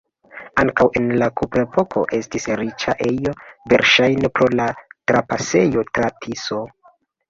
Ankaŭ en la kuprepoko estis riĉa ejo, verŝajne pro la trapasejo tra Tiso.